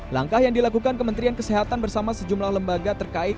langkah yang dilakukan kementerian kesehatan bersama sejumlah lembaga terkait